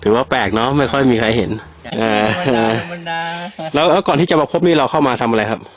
ว่าแปลกเนอะไม่ค่อยมีใครเห็นอ่าแล้วแล้วก่อนที่จะมาพบนี่เราเข้ามาทำอะไรครับ